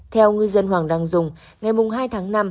theo ngư dân hoàng đăng dùng ngày hai tháng năm